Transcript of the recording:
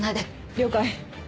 了解。